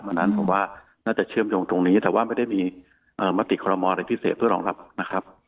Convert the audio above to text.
เพราะฉะนั้นผมว่าน่าจะเชื่อมโยงตรงนี้แต่ว่าไม่ได้มีมติคอลโมอะไรพิเศษเพื่อรองรับนะครับ